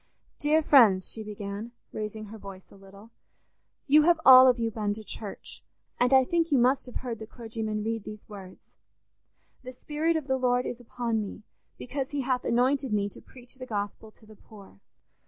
"Dear friends," she began, raising her voice a little, "you have all of you been to church, and I think you must have heard the clergyman read these words: 'The Spirit of the Lord is upon me, because he hath anointed me to preach the gospel to the poor.